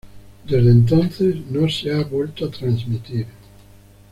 Desde entonces no se ha vuelto a transmitir.